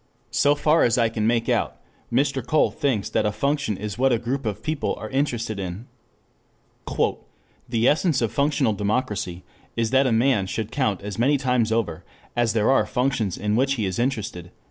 So far as I can make out, Mr. Cole thinks that a function is what a group of people are interested in. "The essence of functional democracy is that a man should count as many times over as there are functions in which he is interested."